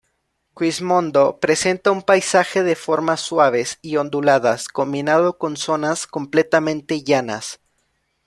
Quismondo presenta un paisaje de formas suaves y onduladas combinado con zonas completamente llanas.